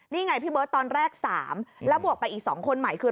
นี่ไงพี่เบิร์ตตอนแรก๓แล้วบวกไปอีก๒คนใหม่คือ